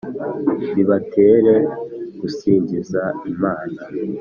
bibatere gusingiza Imana